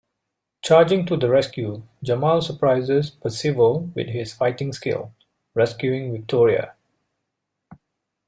Charging to the rescue, Jamal surprises Percival with his fighting skills, rescuing Victoria.